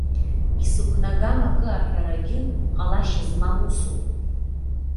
Исықәнагам акы аҳәарагьы ҟалашьа змам усуп.